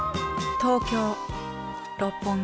東京六本木。